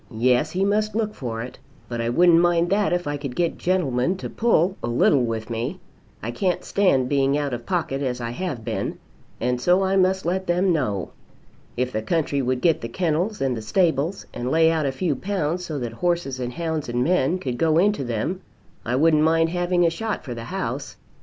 Yes; he must look for it. But I wouldn't mind that, if I could get gentlemen to pull a little with me. I can't stand being out of pocket as I have been, and so I must let them know. If the country would get the kennels and the stables, and lay out a few pounds so that horses and hounds and men could go into them, I wouldn't mind having a shot for the house.